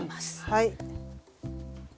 はい。